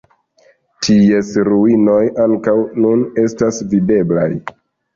Ties ruinoj ankaŭ nun estas videblaj.